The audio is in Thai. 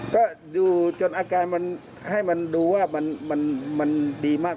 ก็ดูจนอาการมันให้มันดูว่ามันดีมาก